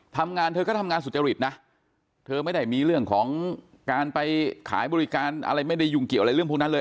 ทำงานเธอก็ทำงานสุจริตนะเธอไม่ได้มีเรื่องของการไปขายบริการอะไรไม่ได้ยุ่งเกี่ยวอะไรเรื่องพวกนั้นเลย